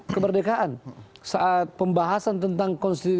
kemerdekaan saat pembahasan tentang